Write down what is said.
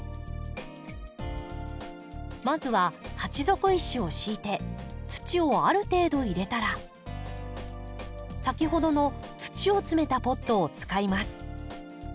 まずは鉢底石を敷いて土をある程度入れたら先ほどの土を詰めたポットを使います。